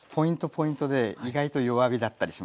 ポイントで意外と弱火だったりします。